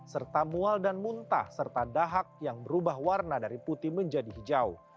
serta mual dan muntah serta dahak yang berubah warna dari putih menjadi hijau